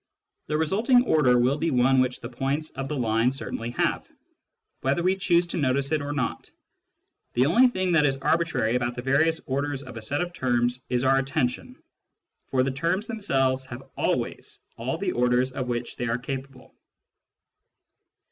The resulting order will be one which the points of the line certainly have, whether we choose to notice it or not ; the only thing that is arbitrary about the various orders of a set of terms is our attention, for the terms themselves have always all the orders of which they are capable.